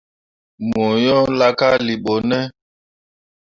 Mo yo laakalii ɓo ne ?